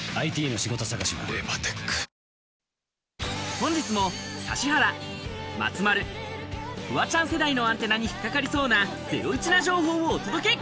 本日も指原、松丸、フワちゃん世代のアンテナに引っ掛かりそうなゼロイチな情報をお届け！